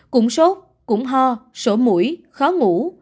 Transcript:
cũng sốt cũng ho sổ mũi khó ngủ